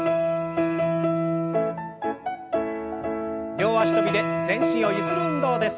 両脚跳びで全身をゆする運動です。